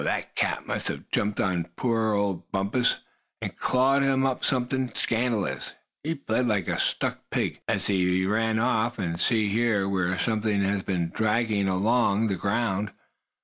that cat must have jumped on poor old Bumpus, and clawed him up something scandalous. He bled like a stuck pig, as he ran off. And see here, where something's been just dragging along the ground.